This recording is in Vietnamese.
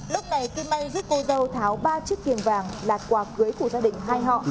lúc này kim may giúp cô dâu tháo ba chiếc kiềng vàng là quà cưới của gia đình hai họ